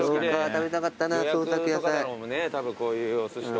食べたかったな創作野菜。